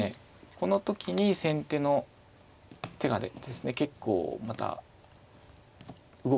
この時に先手の手がですね結構また動かす駒がね